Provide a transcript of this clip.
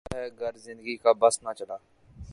کیا ہے گر زندگی کا بس نہ چلا